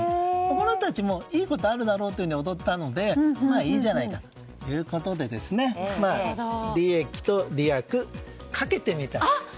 この人たちもいいことあるだろうと踊ったのでええじゃないかということでりえきとりやく、かけてみた。